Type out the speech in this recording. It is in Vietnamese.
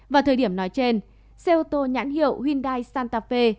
vào thời điểm nói trên xe ô tô nhãn hiệu hyundai santa fe